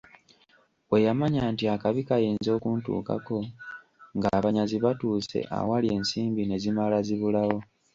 Bwe yamanya nti akabi kayinza okuntuukako ng'abanyazi batuuse awali ensimbi ne zimala zibulawo.